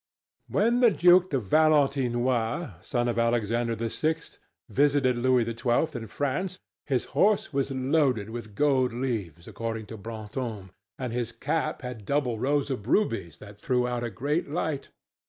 When the Duke de Valentinois, son of Alexander VI., visited Louis XII. of France, his horse was loaded with gold leaves, according to Brantome, and his cap had double rows of rubies that threw out a great light.